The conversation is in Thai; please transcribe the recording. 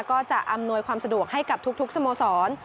ก็จะอำนวยความสะดวกให้กับทุกสโมสร